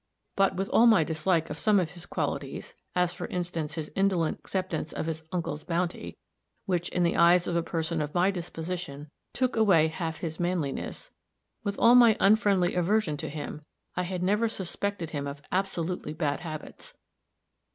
But, with all my dislike of some of his qualities as, for instance, his indolent acceptance of his uncle's bounty, which, in the eyes of a person of my disposition, took away half his manliness with all my unfriendly aversion to him, I had never suspected him of absolutely bad habits.